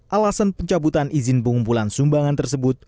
alasan pencabutan izin pengumpulan sumbangan tersebut